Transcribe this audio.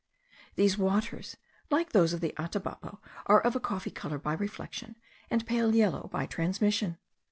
These waters, like those of the Atabapo, are of a coffee colour by reflection, and pale yellow by transmission.